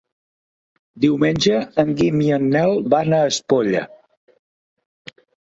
Diumenge en Guim i en Nel van a Espolla.